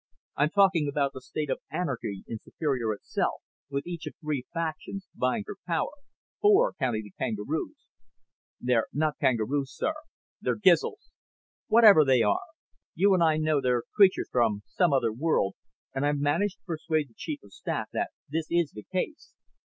I'm talking about the state of anarchy in Superior itself, with each of three factions vying for power. Four, counting the kangaroos." "They're not kangaroos, sir. They're Gizls." "Whatever they are. You and I know they're creatures from some other world, and I've managed to persuade the Chief of Staff that this is the case.